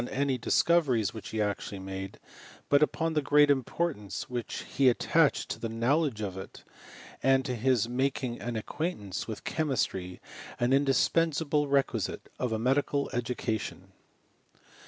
any discoveries which he actually made, but upon the great importance which he attached to the knowledge of it, and to his making an acquaintance with chemistry an indispensable requisite of a medical education.